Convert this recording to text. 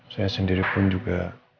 saya sendiri pun juga